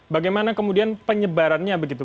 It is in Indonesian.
bagaimana kemudian penyebarannya begitu